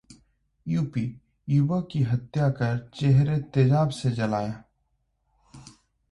UP युवक की हत्या कर चेहरा तेजाब से जलाया